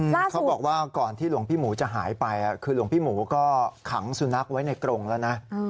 เขาบอกว่าก่อนที่หลวงพี่หมูจะหายไปคือหลวงพี่หมูก็ขังสุนัขไว้ในกรงแล้วนะ